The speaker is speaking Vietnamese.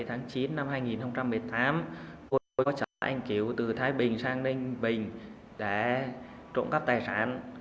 tháng chín năm hai nghìn một mươi tám khôi có chở anh kiểu từ thái bình sang ninh bình để trộm cắp tài sản